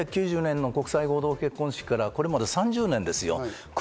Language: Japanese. だけど１９９０年の国際合同結婚式からこれまで３０年ですよ。